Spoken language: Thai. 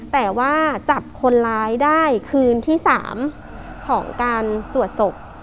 แต่ว่าจับคนร้ายได้คืนที่๓ของการสวดศพ